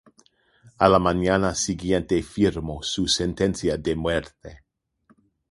A la mañana siguiente firmó su sentencia de muerte.